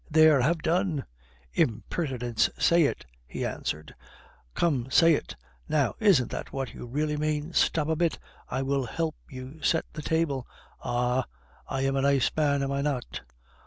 "There! have done " "'Impertinence!' Say it!" he answered. "Come, say it! Now, isn't that what you really mean? Stop a bit, I will help you to set the table. Ah! I am a nice man, am I not?